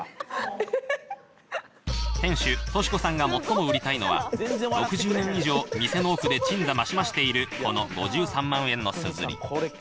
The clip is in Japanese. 店主、稔子さんが最も売りたいのは、６０年以上、店の奥で鎮座ましましているこの５３万円のすずり。